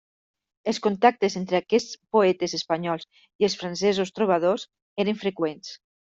Els contactes entre aquests poetes espanyols i els francesos trobadors eren freqüents.